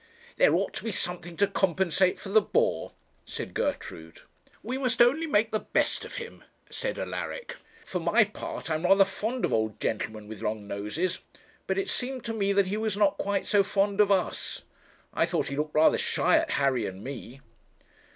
'There ought to be something to compensate for the bore,' said Gertrude. 'We must only make the best of him,' said Alaric. 'For my part, I am rather fond of old gentlemen with long noses; but it seemed to me that he was not quite so fond of us. I thought he looked rather shy at Harry and me.'